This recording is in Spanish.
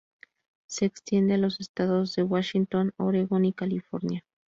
Se extiende a los estados de Washington, Oregón y California.